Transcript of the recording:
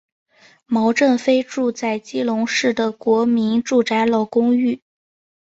毛振飞住在基隆市的国民住宅老公寓。